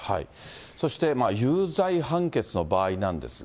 そして有罪判決の場合なんですが。